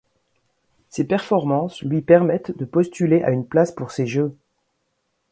Ses performances lui permettent de postuler à une place pour ces Jeux.